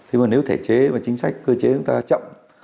thế mà nếu thể chế và chính sách cơ chế chúng ta chậm